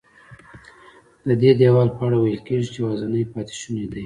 ددې دیوال په اړه ویل کېږي چې یوازینی پاتې شونی دی.